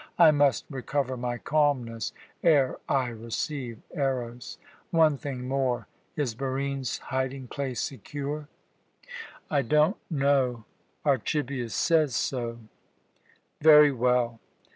I must recover my calmness ere I receive Eros. One thing more. Is Barine's hiding place secure?" "I don't know Archibius says so." "Very well.